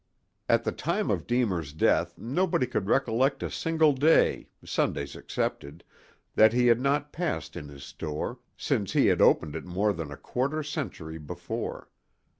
At the time of Deemer's death nobody could recollect a single day, Sundays excepted, that he had not passed in his "store," since he had opened it more than a quarter century before.